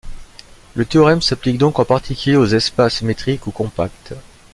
Le théorème s'applique donc en particulier aux espaces métriques ou compacts.